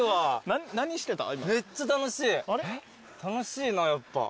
楽しいなやっぱ。